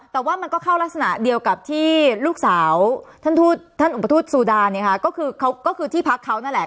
แต่ว่ามันก็เข้ารักษณะเดียวกับที่ลูกสาวท่านอุปทธุตสูดาก็คือที่พักเขานั่นแหละ